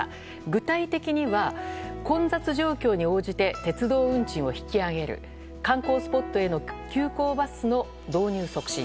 具体的には、混雑状況に応じて鉄道運賃を引き上げる観光スポットへの急行バスの導入促進